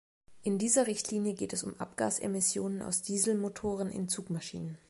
In dieser Richtlinie geht es um Abgasemissionen aus Dieselmotoren in Zugmaschinen.